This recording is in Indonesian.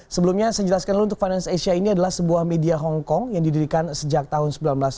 sebelumnya saya jelaskan dulu untuk finance asia ini adalah sebuah media hongkong yang didirikan sejak tahun seribu sembilan ratus sembilan puluh